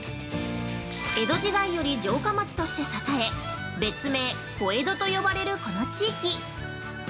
江戸時代より城下町として栄え別名、小江戸と呼ばれるこの地域。